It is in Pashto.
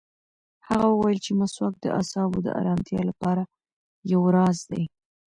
هغه وویل چې مسواک د اعصابو د ارامتیا لپاره یو راز دی.